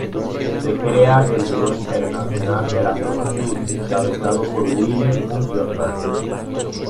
Se crea el Buró Internacional de la Juventud encabezado por Willi Münzenberg.